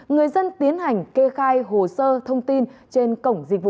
người dân tiến hành kê khai hồ sơ thông tin trên cổng dịch vụ